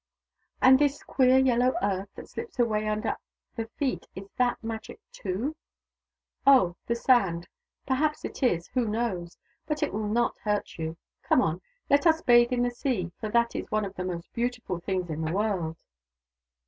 " And this queer yellow earth, that slips away under the feet — is that Magic too ?"" Oh— the sand. Perhaps it is— who knows. But it will not hurt you. Come on, let us bathe in the Sea, for that is one of the most beautiful things in the world."